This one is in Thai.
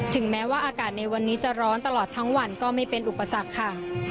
ถึงแม้ว่าอากาศในวันนี้จะร้อนตลอดทั้งวันก็ไม่เป็นอุปสรรคค่ะ